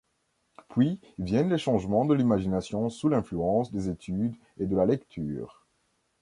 Puis viennent les changements de l'imagination sous l'influence des études et de la lecture.